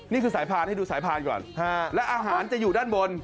นี่คือสายพานให้ดูสายพานก่อนแล้วอาหารจะอยู่ด้านบน